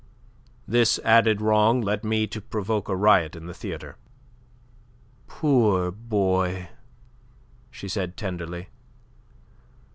This added wrong led me to provoke a riot in the theatre." "Poor boy," she said tenderly.